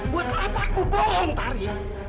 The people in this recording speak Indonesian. buat apa aku bohong tari